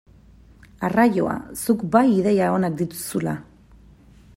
Arraioa, zuk bai ideia onak dituzula!